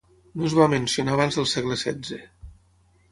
No es va mencionar abans del segle setze.